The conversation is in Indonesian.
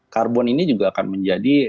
karbon ini juga akan menjadi